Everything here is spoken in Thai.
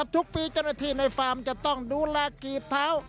ทุกปีเจ้าหน้าที่ในฟาร์มจะต้องดูแลกีบเท้า